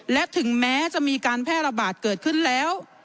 และถึงแม้จะมีการแพร่ระบาดเกิดขึ้นแล้ว